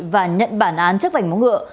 và nhận bản án chất vảnh bóng ngựa